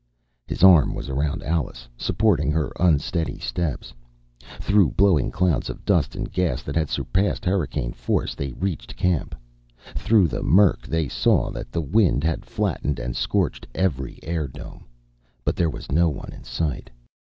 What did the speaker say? His arm was around Alice, supporting her unsteady steps. Through blowing clouds of dust and gas that had surpassed hurricane force, they reached camp. Through the murk they saw that the wind had flattened and scorched every airdome. But there was no one in sight.